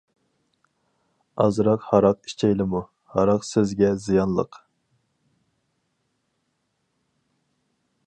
-ئازراق ھاراق ئىچەيلىمۇ؟ -ھاراق سىزگە زىيانلىق.